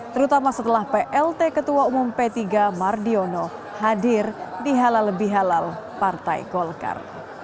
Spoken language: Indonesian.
terutama setelah plt ketua umum p tiga mardiono hadir di halal bihalal partai golkar